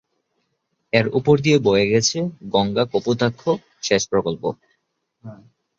এর উপর দিয়ে বয়ে গেছে গঙ্গা-কপোতাক্ষ সেচ প্রকল্প।